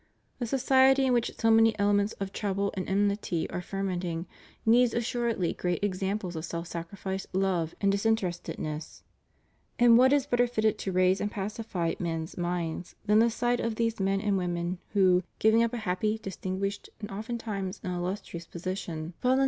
A society in which so many elements of trouble and enmity are fermenting needs assuredly great examples of self sacri fice, love, and disinterestedness. And what is better fitted to raise and pacify men's minds than the sight of these men and woman, who, giving up a happy, distin guished and, oftentimes, an illustrious position, volun* THE RELIGIOUS CONGREGATIONS IN FRANCE.